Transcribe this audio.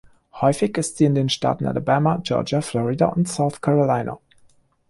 Häufig ist sie in den Staaten Alabama, Georgia, Florida und South Carolina.